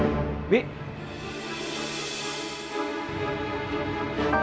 kamu bisa kesini sekarang